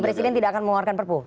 presiden tidak akan mengeluarkan perpu